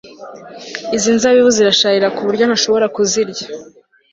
Izi nzabibu zirasharira kuburyo ntashobora kuzirya